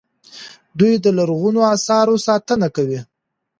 دوی د لرغونو اثارو ساتنه کوي.